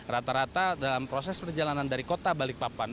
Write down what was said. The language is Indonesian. rata rata dalam proses perjalanan dari kota balikpapan